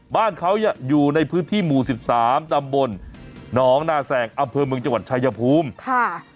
บ้านเขาอยู่ในพื้นที่หมู่สิบสามตำบลหนองนาแสงอำเภอเมืองจังหวัดชายภูมิค่ะ